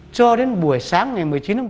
cho đến buổi sáng ngày một mươi chín tháng bảy